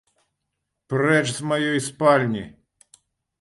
Прэч з маёй спальні!